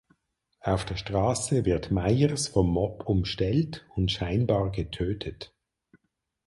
Auf der Straße wird Myers vom Mob umstellt und scheinbar getötet.